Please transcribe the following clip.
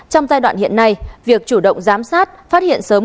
trong giai đoạn hiện nay việc chủ động giám sát phát hiện sớm